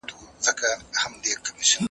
که موږ یوبل ته لاس ورکړو نو قوي کیږو.